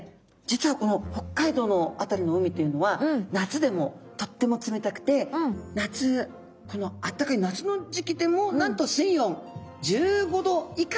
実はこの北海道の辺りの海というのは夏でもとっても冷たくて夏このあったかい夏の時期でもなんと水温１５度以下ということなんですね。